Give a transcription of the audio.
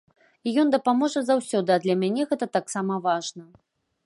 І ён дапаможа заўсёды, а для мяне гэта таксама важна.